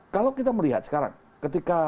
kalau kita melihat sekarang ketika